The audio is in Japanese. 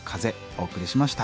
お送りしました。